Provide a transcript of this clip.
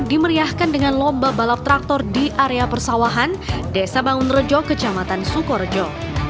dimeriahkan dengan lomba balap traktor di area persawahan desa bangun rejo kecamatan sukorejo